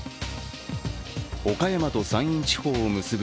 岡山と山陰地方を結ぶ